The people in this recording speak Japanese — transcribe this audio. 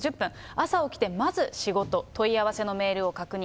朝起きてまず仕事、問い合わせのメールを確認。